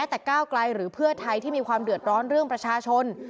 แต่ก้าวไกลหรือเพื่อไทยที่มีความเดือดร้อนเรื่องประชาชน